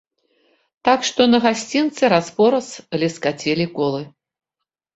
Так што на гасцінцы раз-пораз ляскацелі колы.